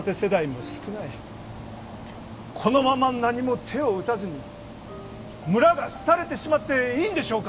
このまま何も手を打たずに村がすたれてしまっていいんでしょうか？